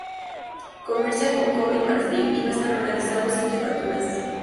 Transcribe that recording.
Comercian con cobre y marfil y no están organizados en jefaturas.